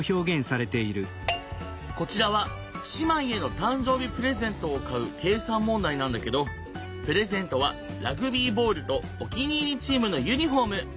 こちらは姉妹への誕生日プレゼントを買う計算問題なんだけどプレゼントはラグビーボールとお気に入りチームのユニフォーム。